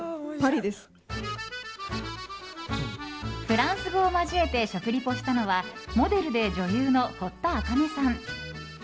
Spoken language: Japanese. フランス語を交えて食リポしたのはモデルで女優の堀田茜さん。